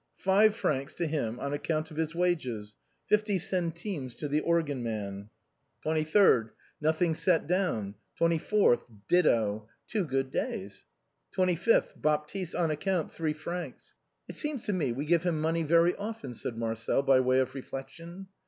5 francs to him on account of his wages. 50 centimes to the organ' man.' " "2M. Nothing set down. 24i/i, ditto. Two good days !""' 25th. Baptiste, on account, 3 fr.' It seems to me we give him money very often," said Marcel, by way of re flection.